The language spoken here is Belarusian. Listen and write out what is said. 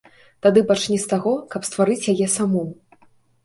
Тады пачні з таго, каб стварыць яе самому.